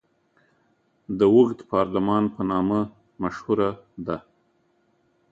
د اوږد پارلمان په نامه مشهوره ده.